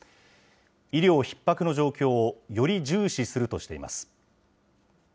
医療ひっ迫の状況をより重視するとしています。